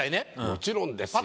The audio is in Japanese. もちろんですよ。